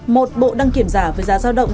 một bộ đăng kiểm giả với giá giao động